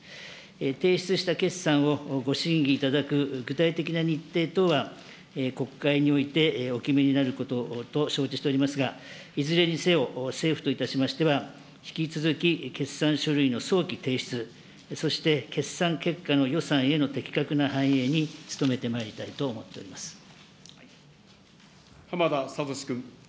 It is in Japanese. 提出した決算をご審議いただく具体的な日程等は、国会において、お決めになることと承知しておりますが、いずれにせよ、政府といたしましては、引き続き、決算書類の早期提出、そして決算結果の予算への適格な反映に努めてまいりたいと思って浜田聡君。